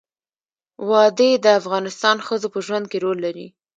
وادي د افغان ښځو په ژوند کې رول لري.